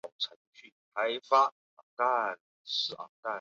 该枪的名字来自于双连击之上在短时间内连续射出两发子弹。